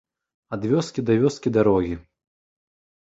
Ад вёскі да вёскі дарогі.